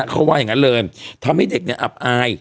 เขาว่าอย่างนั้นเลยทำให้เด็กเนี่ยอับอาย